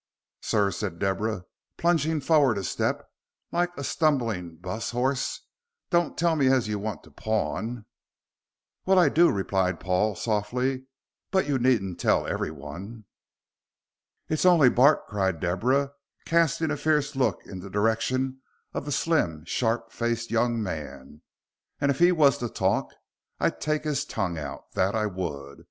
"Sir," said Deborah, plunging forward a step, like a stumbling 'bus horse, "don't tell me as you want to pawn." "Well, I do," replied Paul, softly, "but you needn't tell everyone." "It's only Bart," cried Deborah, casting a fierce look in the direction of the slim, sharp faced young man, "and if he was to talk I'd take his tongue out. That I would.